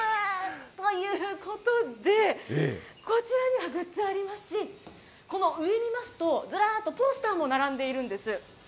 ということで、こちらにも貼ってありますし、この上見ますと、ずらっとポスターも並んでいるんです。